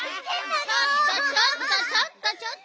ちょっとちょっとちょっとちょっと。